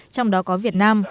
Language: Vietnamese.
trong đó có việt nam